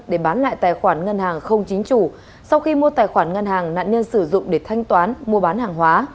để bán lại tài khoản ngân hàng không chính chủ sau khi mua tài khoản ngân hàng nạn nhân sử dụng để thanh toán mua bán hàng hóa